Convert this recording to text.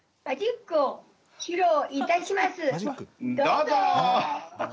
どうぞ！